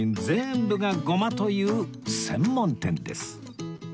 全部がごまという専門店です